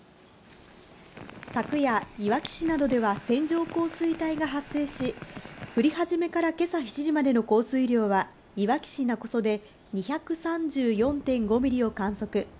昨夜、いわき市などでは線状降水帯が発生し、降り始めから今朝７時までの降水量はいわき市勿来で２３４．５ミリを観測。